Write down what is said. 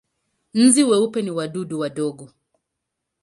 Nzi weupe ni wadudu wadogo.